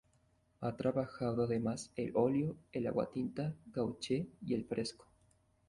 Ha trabajado además el óleo, el aguatinta, "gouache" y el fresco.